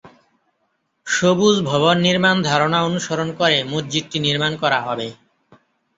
সবুজ ভবন নির্মাণ ধারণা অনুসরণ করে মসজিদটি নির্মাণ করা হবে।